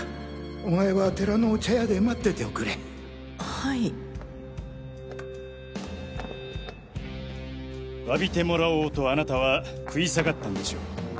お前は寺の茶屋で待ってておくれはい詫びてもらおうとあなたは食い下がったんでしょう。